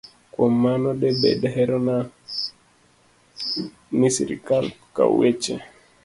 Kuom mano, de bed herona ni sirkal okaw weche